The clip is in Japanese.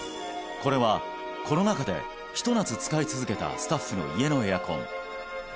これはコロナ禍でひと夏使い続けたスタッフの家のエアコン